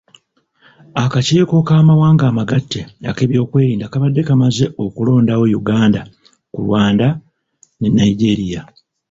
Akakiiko k'amawanga amagatte ak'ebyokwerinda kabadde kamaze okulondawo Uganda ku Rwanda ne Nigeria.